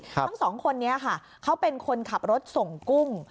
ทั้งสองคนนี้ค่ะเขาเป็นคนขับรถส่งกุ้ง